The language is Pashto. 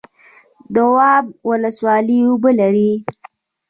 دواب ولسوالۍ اوبه لري؟